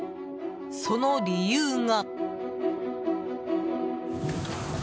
その理由が。